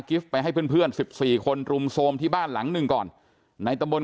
ไปให้เพื่อน๑๔คนรุมโทรมที่บ้านหลังหนึ่งก่อนในตะบน